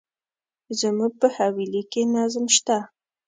زموږ په حویلی کي نظم شته.